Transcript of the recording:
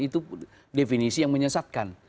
itu definisi yang menyesatkan